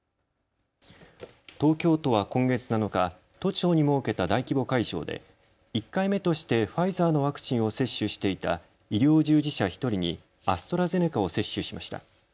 東京都は今月７日、都庁に設けた大規模会場で１回目としてファイザーのワクチンを接種していた医療従事者１人にアストラゼネカを接種しました。